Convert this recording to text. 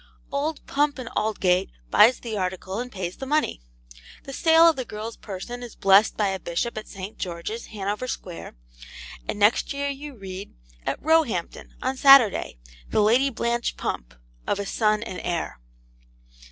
Old Pump and Aldgate buys the article and pays the money. The sale of the girl's person is blessed by a Bishop at St. George's, Hanover Square, and next year you read, 'At Roehampton, on Saturday, the Lady Blanche Pump, of a son and heir.